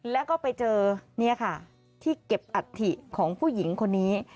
แล้วก็ไปเจอนี่ค่ะที่เก็บอัฐิของผู้หญิงคนนี้